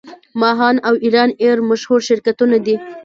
ماهان او ایران ایر مشهور شرکتونه دي.